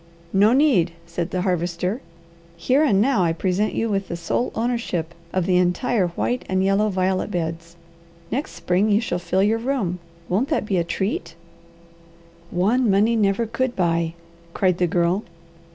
"No need," said the Harvester. "Here and now I present you with the sole ownership of the entire white and yellow violet beds. Next spring you shall fill your room. Won't that be a treat?" "One money never could buy!" cried the Girl.